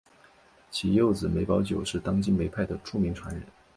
其幼子梅葆玖是当今梅派的著名传人。